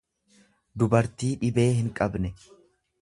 dubartii dhibee hinqabne.